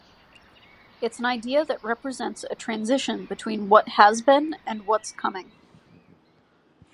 It's an idea that represents a transition between what has been and what's coming.